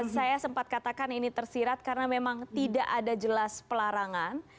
saya sempat katakan ini tersirat karena memang tidak ada jelas pelarangan